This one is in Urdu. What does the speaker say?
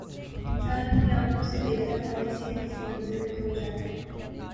انسان اپنی آنکھوں سے دیکھتا ہوا کسی نہ کسی منظر میں کھو جاتا ہے